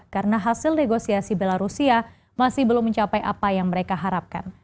karena hasil negosiasi belarusia masih belum mencapai apa yang mereka harapkan